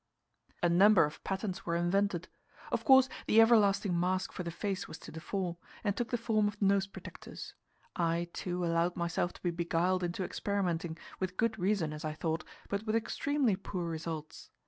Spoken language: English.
A number of patents were invented. Of course, the everlasting mask for the face was to the fore, and took the form of nose protectors. I, too, allowed myself to be beguiled into experimenting, with good reason, as I thought, but with extremely poor results.